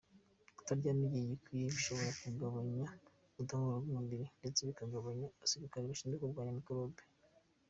Kutaryama igihe gikwiriye bishobora kugabanya ubudahangarwa bw’umubiri, ndetse bikagabanya abasirikare bashinzwe kurwanya mikorobe.